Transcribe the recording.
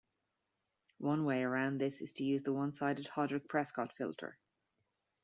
One way around this is to use the one-sided Hodrick-Prescott filter.